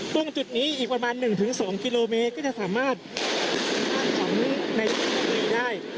ตรงจุดนี้อีกประมาณ๑๒กิโลเมตรก็จะสามารถของในได้